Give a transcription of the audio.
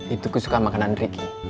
itu ku suka makanan ricky